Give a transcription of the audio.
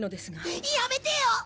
やめてよ！